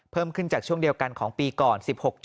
เพิ่มขึ้นจากช่วงเดียวกันของปีก่อน๑๖